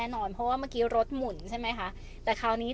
ตอนนี้ต้องรอคิวให้รถอีกคันได้